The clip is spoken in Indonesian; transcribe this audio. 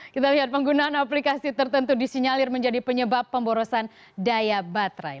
kita lihat penggunaan aplikasi tertentu disinyalir menjadi penyebab pemborosan daya baterai